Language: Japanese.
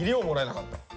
もらえなかった。